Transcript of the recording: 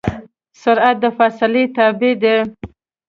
سرعت د فاصلې تابع دی.